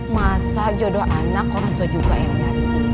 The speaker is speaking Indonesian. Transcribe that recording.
masa jodoh anak orang tua juga yang nyari